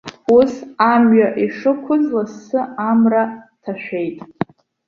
Ус амҩа ишықәыз лассы амра ҭашәеит.